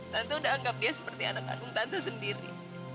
tante udah anggap dia seperti anak agung tante sendiri